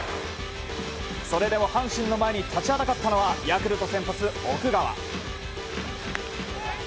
それでも阪神の前に立ちはだかったのはヤクルト先発、奥川。